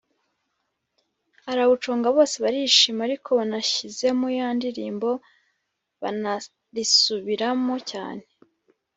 arawuconga bose barishima ariko banashyizemo ya ndilimbo banarisubiramo cyane.